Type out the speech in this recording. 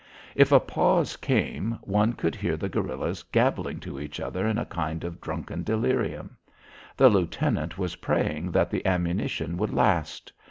If a pause came, one could hear the guerillas gabbling to each other in a kind of drunken delirium. The lieutenant was praying that the ammunition would last.